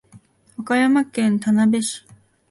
和歌山県田辺市